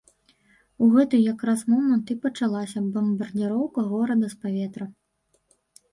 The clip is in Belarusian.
У гэты якраз момант і пачалася бамбардзіроўка горада з паветра.